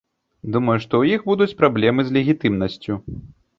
Думаю, што ў іх будуць праблемы з легітымнасцю.